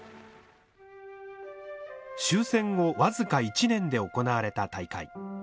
終戦後僅か１年で行われた大会。